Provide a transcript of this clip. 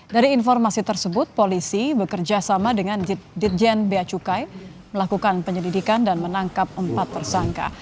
dari informasi tersebut polisi bekerja sama dengan dirjen beacukai melakukan penyelidikan dan menangkap empat tersangka